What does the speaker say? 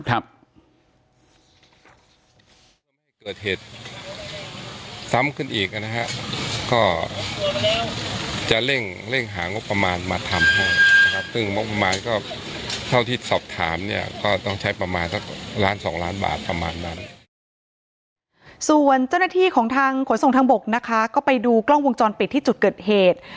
ส่วนเจ้าหน้าที่ของทางขนส่งทางบกนะคะก็ไปดูกล้องวงจรปิดที่จุดเกิดเหตุ